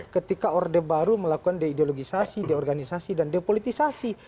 ketika orde baru melakukan deideologisasi deorganisasi dan depolitisasi